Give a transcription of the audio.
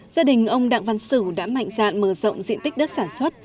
gia đình ông đặng văn sửu đã mạnh dạn mở rộng diện tích đất sản xuất